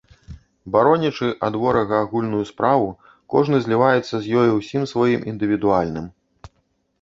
Баронячы ад ворага агульную справу, кожны зліваецца з ёю ўсім сваім індывідуальным.